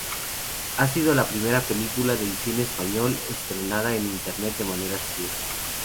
Ha sido la primera película del cine español estrenada en Internet de manera gratuita.